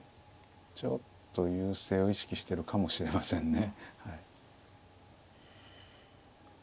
ちょっと優勢を意識してるかもしれませんね。